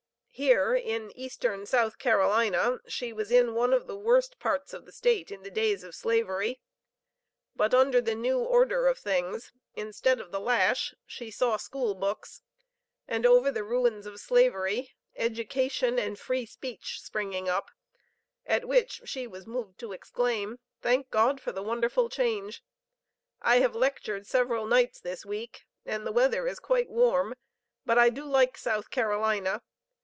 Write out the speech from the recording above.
Here in "eastern South Carolina" she was in "one of the worst parts of the State" in the days of Slavery; but under the new order of things, instead of the lash, she saw school books, and over the ruins of slavery, education and free speech springing up, at which she was moved to exclaim, "Thank God for the wonderful change! I have lectured several nights this week, and the weather is quite warm; but I do like South Carolina.